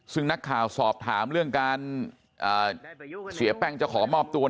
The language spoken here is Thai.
ซึ่งนักข่าวสอบถามเรื่องการเสียแป้งจะขอมอบตัว